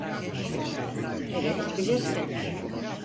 Evet, bilirsin.